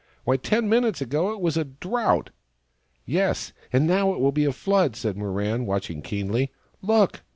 " Why, ten minutes ago it was a drought !"" Yes, and now it will be a flood," said Mirran, watching keenly. " Look